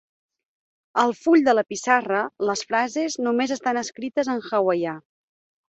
Al full de la pissarra les frases només estan escrites en hawaià.